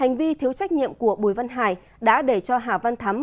hành vi thiếu trách nhiệm của bùi văn hải đã để cho hà văn thắm